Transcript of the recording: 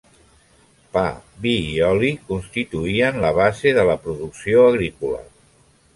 Pa, vi i oli constituïen la base de la producció agrícola.